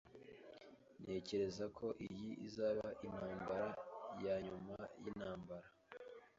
Ntekereza ko iyi izaba intambara yanyuma yintambara